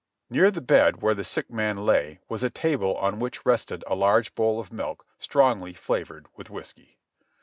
Near the bed where the sick man lay was a table on which rested a large bowl of milk strongly flavored with whiskey.